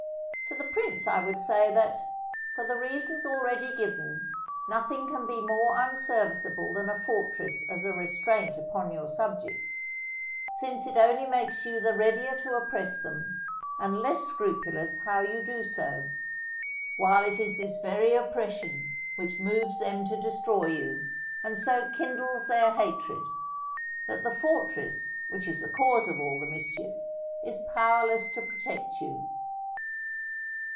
To the prince I would say, that, for the reasons already given, nothing can be more unserviceable than a fortress as a restraint upon your subjects, since it only makes you the readier to oppress them, and less scrupulous how you do so; while it is this very oppression which moves them to destroy you, and so kindles their hatred, that the fortress, which is the cause of all the mischief, is powerless to protect you.